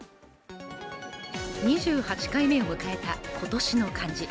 ２８回目を迎えた、今年の漢字。